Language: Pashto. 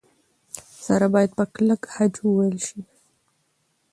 سره باید په کلک خج وېل شي.